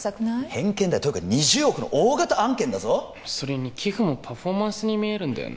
偏見だよというか２０億の大型案件だぞそれに寄付もパフォーマンスに見えるんだよな